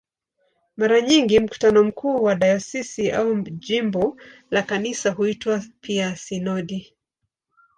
Mara nyingi mkutano mkuu wa dayosisi au wa jimbo la Kanisa huitwa pia "sinodi".